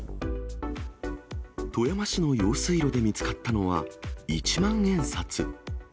富山市の用水路で見つかったのは一万円札。